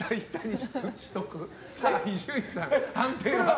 伊集院さん、判定は？